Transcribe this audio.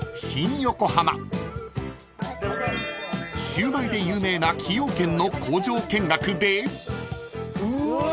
［シウマイで有名な崎陽軒の工場見学で］